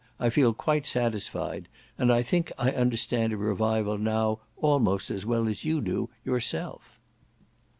I feel quite satisfied; and I think I understand a revival now almost as well as you do yourself."